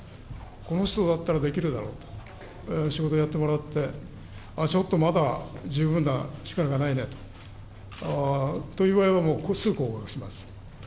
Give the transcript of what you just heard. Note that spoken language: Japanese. この人だったらできるだろうと、仕事をやってもらって、あ、ちょっとまだ十分な力がないねという場合は、もうすぐ降格します。